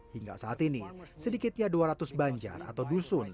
hingga saat ini sedikitnya dua ratus banjar atau dusun